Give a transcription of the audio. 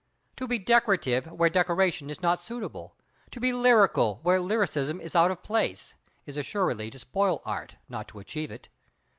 To be decorative where decoration is not suitable, to be lyrical where lyricism is out of place, is assuredly to spoil Art, not to achieve it.